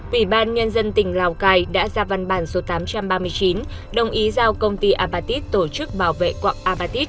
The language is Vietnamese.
ủy ban nhân dân tỉnh lào cai đã ra văn bản số tám trăm ba mươi chín đồng ý giao công ty apatit tổ chức bảo vệ quạng apatit